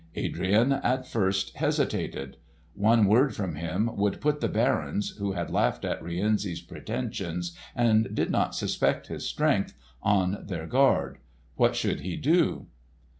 Adrian at first hesitated. One word from him would put the barons—who had laughed at Rienzi's pretensions and did not suspect his strength—on their guard. What should he do?